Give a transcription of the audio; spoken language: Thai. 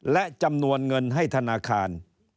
และจำนวนเงินให้ธนาคาร